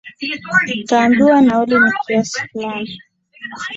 utaambiwa nauli ni kiasi fulani